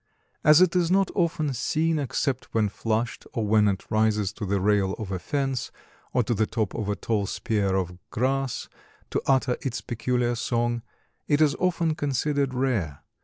As it is not often seen except when flushed or when it rises to the rail of a fence or to the top of a tall spear of grass to utter its peculiar song, it is often considered rare.